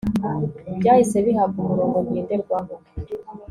byahise bihabwa umurongo ngenderwaho